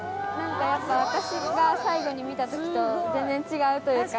私が最後に見た時と全然違うというか。